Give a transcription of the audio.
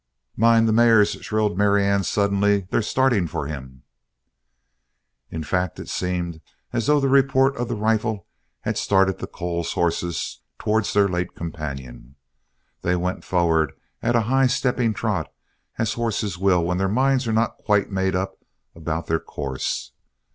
"Mind the mares!" shrilled Marianne suddenly. "They're starting for him!!" In fact, it seemed as though the report of the rifle had started the Coles horses towards their late companion They went forward at a high stepping trot as horses will when their minds are not quite made up about their course.